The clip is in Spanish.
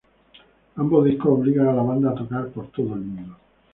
Ambos discos obligan a la banda a tocar por todo el Mundo.